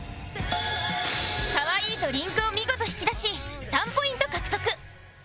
「カワイイ」と「リンク」を見事引き出し３ポイント獲得